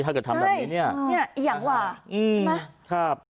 ถ้าเกิดทำแบบนี้เนี้ยเนี้ยอีหยังหว่าอืมครับ